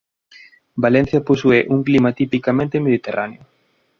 Valencia posúe un clima tipicamente mediterráneo.